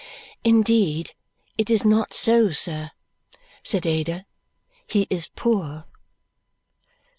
"Indeed it is not so, sir," said Ada. "He is poor."